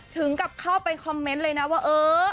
ถึงกับเข้าไปคอมเมนต์เลยนะว่าเออ